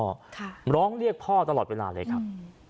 ค่ะร้องเรียกพ่อตลอดเวลาเลยครับ